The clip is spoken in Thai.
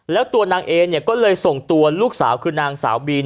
แล้วตัวนางเอเนี่ยก็เลยส่งตัวลูกสาวคือนางสาวบีน